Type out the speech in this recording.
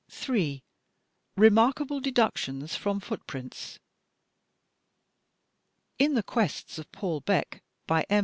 J. Remarkable Deductions from Footprints In "The Quests of Paul Beck," by M.